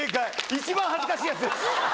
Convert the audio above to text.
一番恥ずかしいやつです。